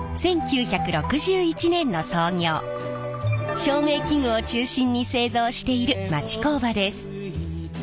照明器具を中心に製造している町工場です。